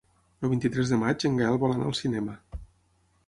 El vint-i-tres de maig en Gaël vol anar al cinema.